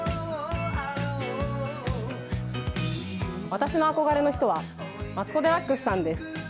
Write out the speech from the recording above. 私の憧れの人はマツコ・デラックスさんです。